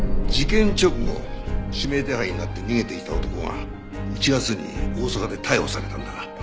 事件直後指名手配になって逃げていた男が１月に大阪で逮捕されたんだ。